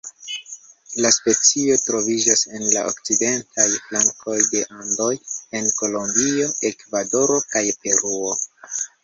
La specio troviĝas en la okcidentaj flankoj de Andoj en Kolombio, Ekvadoro kaj Peruo.